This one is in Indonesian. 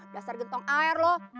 dasar gentong air loh